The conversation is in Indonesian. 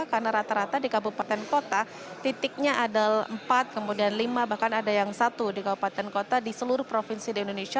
karena rata rata di kabupaten kota titiknya ada empat kemudian lima bahkan ada yang satu di kabupaten kota di seluruh provinsi di indonesia